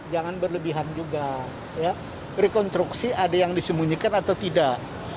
jangan berlebihan juga rekonstruksi ada yang disembunyikan atau tidak